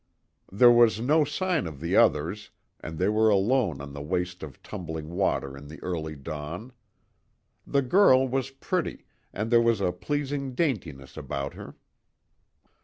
There was no sign of the others, and they were alone on the waste of tumbling water in the early dawn. The girl was pretty, and there was a pleasing daintiness about her.